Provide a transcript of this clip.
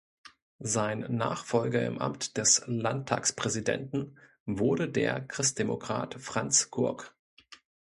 Sein Nachfolger im Amt des Landtagspräsidenten wurde der Christdemokrat Franz Gurk.